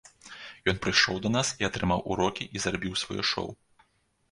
Ён прыйшоў да нас і атрымаў урокі і зрабіў сваё шоў.